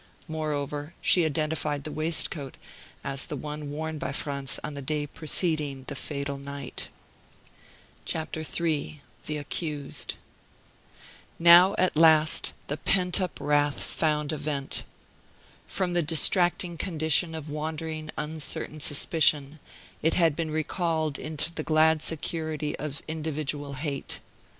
Moreover, she identified the waistcoat as the one worn by Franz on the day preceding the fatal night. III THE ACCUSED Now at last the pent up wrath found a vent. From the distracting condition of wandering uncertain suspicion, it had been recalled into the glad security of individual hate.